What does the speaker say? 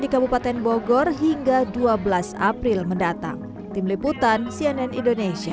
di kabupaten bogor hingga dua belas april mendatang tim liputan cnn indonesia